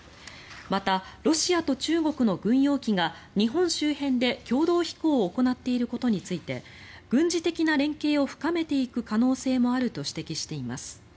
また、ロシアと中国の軍用機が日本周辺で共同飛行を行っていることについて軍事的な連携を深めていく可能性もあると指摘しています。